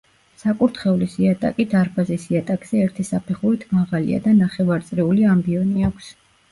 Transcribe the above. საკურთხევლის იატაკი დარბაზის იატაკზე ერთი საფეხურით მაღალია და ნახევარწრიული ამბიონი აქვს.